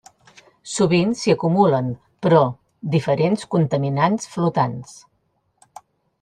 Sovint s'hi acumulen, però, diferents contaminants flotants.